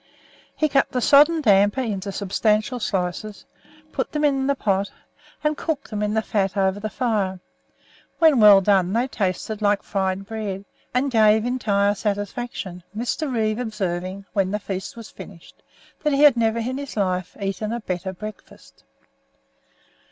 He cut the sodden damper into substantial slices, put them into the pot, and cooked them in the fat over the fire. When well done they tasted like fried bread, and gave entire satisfaction; Mr. Reeve observing, when the feast was finished, that he had never in all his life eaten a better breakfast.